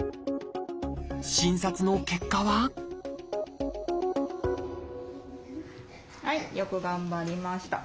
診察の結果ははいよく頑張りました。